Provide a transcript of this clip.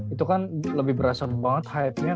itu kan lebih berasan banget hype nya